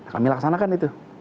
kami laksanakan itu